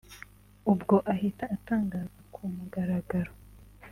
ubwo ahita atangaza ku mugaragaro